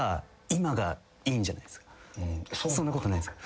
そんなことないっすか？